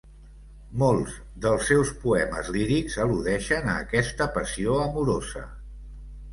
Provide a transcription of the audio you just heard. Molts dels seus poemes lírics al·ludeixen a aquesta passió amorosa.